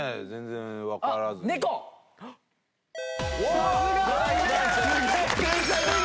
さすが！